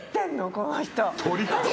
この人！